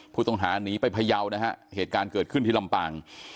ผู้ต้องหาหนีไปพยาวนะฮะเหตุการณ์เกิดขึ้นที่ลำปาง